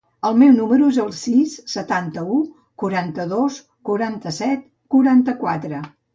El meu número es el sis, setanta-u, quaranta-dos, quaranta-set, quaranta-quatre.